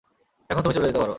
এখন তুমি চলে যেতে পারো।